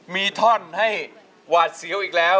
มีท่อนให้หวาดเสียวอีกแล้ว